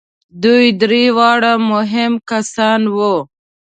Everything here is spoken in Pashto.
دوی درې واړه مهم کسان وو.